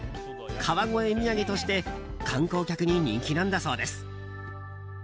川越土産として観光客に人気なんだそうです。